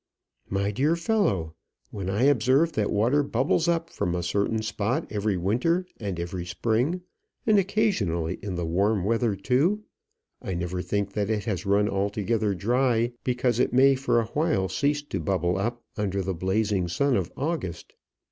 "My dear fellow, when I observe that water bubbles up from a certain spot every winter and every spring, and occasionally in the warm weather too, I never think that it has run altogether dry because it may for a while cease to bubble up under the blazing sun of August.